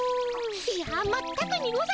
いやまったくにございます！